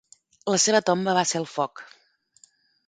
La seva tomba va ser el foc.